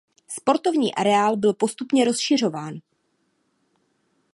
Sportovní areál byl postupně rozšiřován.